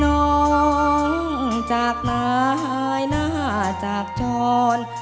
น้องจากนายหน้าจากจร